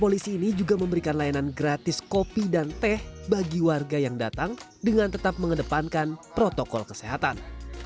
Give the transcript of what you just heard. polisi ini juga memberikan layanan gratis kopi dan teh bagi warga yang datang dengan tetap mengedepankan protokol kesehatan